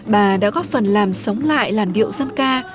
bà đã góp phần làm sống lại làn điệu dân ca